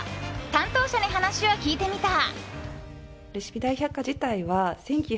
担当者に話を聞いてみた。